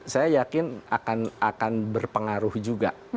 saya yakin akan berpengaruh juga